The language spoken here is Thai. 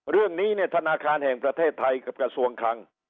เรื่องนี้เนี่ยธนาคารแห่งประเทศไทยกับกระทรวงคลัง